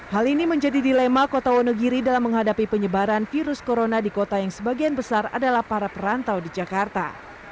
hal ini menjadi dilema kota wonogiri dalam menghadapi penyebaran virus corona di kota yang sebagian besar adalah para perantau di jakarta